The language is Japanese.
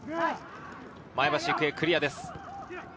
前橋育英、クリアです。